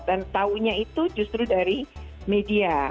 dan tahunya itu justru dari media